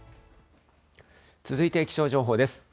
続いて気象情報です。